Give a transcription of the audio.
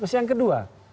terus yang kedua